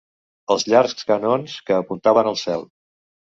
Els llargs canons que apuntaven al cel